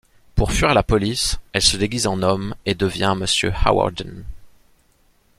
Pour fuir la police, elle se déguise en homme et devient Monsieur Hawarden.